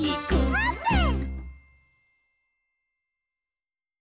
あーぷん！